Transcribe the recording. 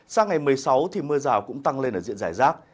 sang ngày một mươi sáu thì mưa rào cũng tăng lên ở diện giải rác